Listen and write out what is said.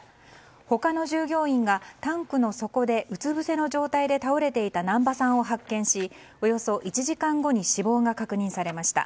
他の従業員が、タンクの底でうつぶせの状態で倒れていた難波さんを発見しおよそ１時間後に死亡が確認されました。